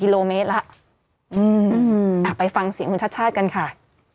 อืมอืมอ่าไปฟังเสียงคุณชาติชาติกันค่ะ